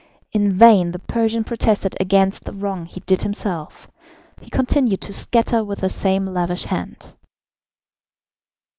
In vain the Persian protested against the wrong he did himself; he continued to scatter with the same lavish hand.